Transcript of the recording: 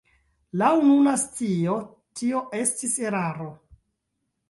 Laŭ nuna scio tio estis eraro.